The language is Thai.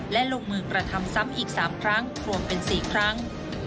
และลงมือกระทำซ้ำอีก๓ครั้งรวมเป็น๔ครั้ง